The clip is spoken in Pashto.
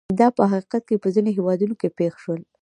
دا په حقیقت کې په ځینو هېوادونو کې پېښ شول.